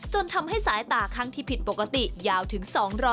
จนทำให้สายตาข้างที่ผิดปกติยาวถึง๒๐๐